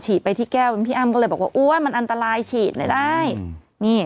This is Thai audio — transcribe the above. ไปที่แก้วพี่อ้ำก็เลยบอกว่าอ้วนมันอันตรายฉีดเลยได้นี่